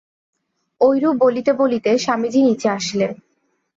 ঐরূপ বলিতে বলিতে স্বামীজী নীচে আসিলেন।